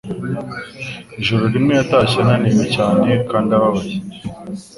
Ijoro rimwe yatashye ananiwe cyane kandi ababaye.